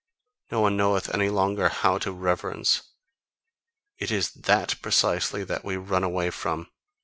No one knoweth any longer how to reverence: it is THAT precisely that we run away from.